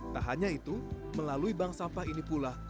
tak hanya itu melalui bank sampah ini pula